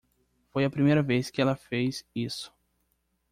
Foi a primeira vez que ela fez isso.